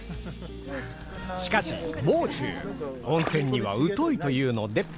しかしもう中温泉には疎いというので。